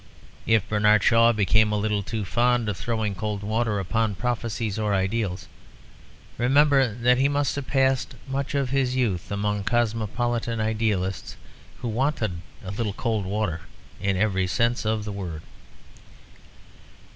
If Bernard Shaw became a little too fond of throwing cold water upon prophecies or ideals, remember that he must have passed much of his youth among cosmopolitan idealists who wanted a little cold water in every sense of the word.